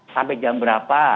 sampai jam berapa